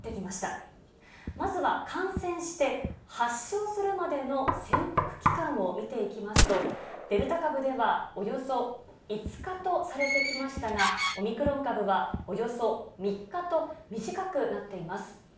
まずは感染して、発症するまでの潜伏期間を見ていきますと、デルタ株ではおよそ５日とされてきましたが、オミクロン株はおよそ３日と短くなっています。